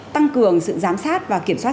tăng cường sự giám sát và kiểm soát